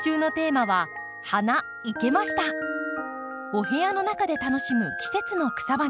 お部屋の中で楽しむ季節の草花